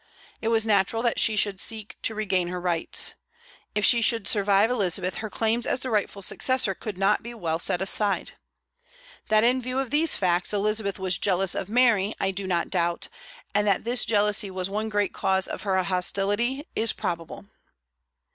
It was natural that she should seek to regain her rights. If she should survive Elizabeth, her claims as the rightful successor could not be well set aside. That in view of these facts Elizabeth was jealous of Mary I do not doubt; and that this jealousy was one great cause of her hostility is probable.